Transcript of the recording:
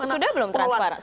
sudah belum transparan